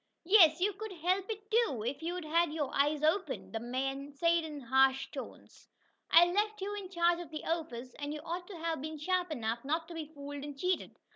"Yes, you could help it too, if you'd had your eyes open!" the man said in harsh tones. "I left you in charge of the office, and you ought to have been sharp enough not to be fooled and cheated.